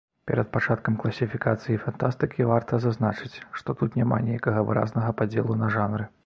Перад пачаткам класіфікацыі фантастыкі варта зазначыць, што тут няма нейкага выразнага падзелу на жанры.